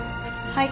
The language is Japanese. はい。